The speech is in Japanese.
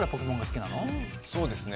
そうですね